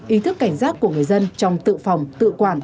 ý thức cảnh giác của người dân trong tự phòng tự quản